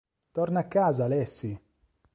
Torna a casa Lassie!